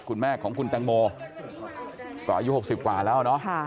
คุณแม่ของคุณแตงโมต่ออายุหกสิบกว่าแล้วเนอะค่ะ